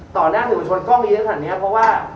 ต่อหน้าถึงประชุมกล้องอีกได้ขนาดนี้เพราะว่า